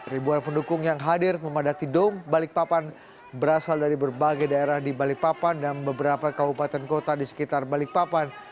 ribuan pendukung yang hadir memadati dom balikpapan berasal dari berbagai daerah di balikpapan dan beberapa kabupaten kota di sekitar balikpapan